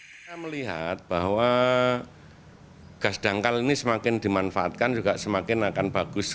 kita melihat bahwa gas dangkal ini semakin dimanfaatkan juga semakin akan bagus